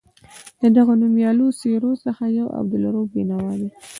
له دغو نومیالیو څېرو څخه یو عبدالرؤف بېنوا دی.